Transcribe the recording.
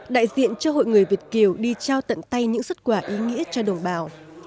đại diện cho hội người việt kiều đi trao tận tay những xuất quả ý nghĩa cho đồng bào